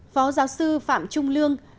phó giáo sư phạm trung lương